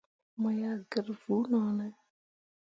Mo yah gǝr vuu no ne ?